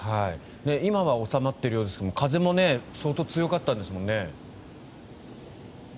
今は収まってるようですけど風も相当強かったんですよね。